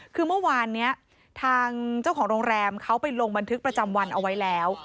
คือเมื่อวานนี้ทางเจ้าของโรงแรมเขาไปลงบันทึกประจำวันเอาไว้แล้ว